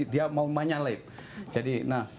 dia mau menyalaip jadi